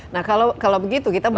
nah kalau begitu kita